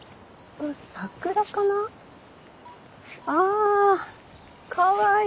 あかわいい。